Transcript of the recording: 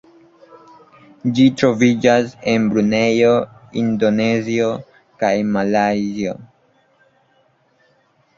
Ĝi troviĝas en Brunejo, Indonezio kaj Malajzio.